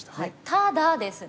ただですね！